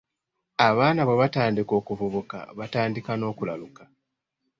Abaana bwe batandika okuvubuka, batandika n'okulaluka.